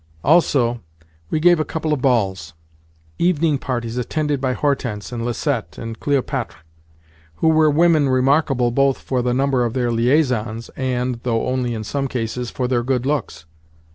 Also, we gave a couple of balls—evening parties attended by Hortense and Lisette and Cléopatre, who were women remarkable both for the number of their liaisons and (though only in some cases) for their good looks.